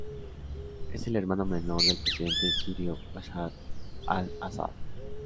Es el hermano menor del presidente sirio Bashar al-Ásad.